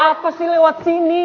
aku sih lewat sini